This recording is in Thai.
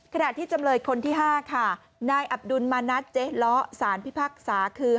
ที่จำเลยคนที่๕ค่ะนายอับดุลมานัดเจ๊ล้อสารพิพากษาคือ